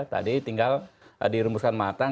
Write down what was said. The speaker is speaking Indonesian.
tadi tinggal dirumuskan matang